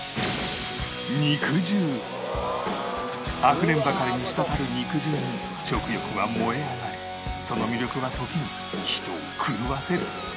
あふれんばかりに滴る肉汁に食欲は燃え上がりその魅力は時に人を狂わせる